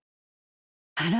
あら？